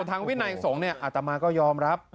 ส่วนทางวินัยสงศ์เนี่ยอาตมาก็ยอมรับ